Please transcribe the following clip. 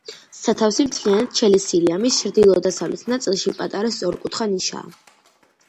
სათავსი მთლიანად შელესილია: მის ჩრდილო-დასავლეთ ნაწილში პატარა სწორკუთხა ნიშაა.